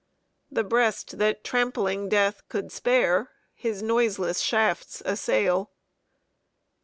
"The breast that trampling Death could spare, His noiseless shafts assail."